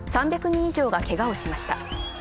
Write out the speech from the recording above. ３００人以上がケガをしました。